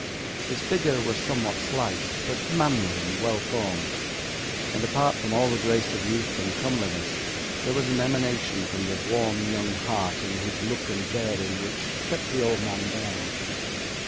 His figure was somewhat slight, but manly and well formed; and, apart from all the grace of youth and comeliness, there was an emanation from the warm young heart in his look and bearing which kept the old man down.